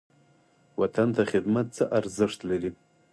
وطن ته خدمت څه ارزښت لري؟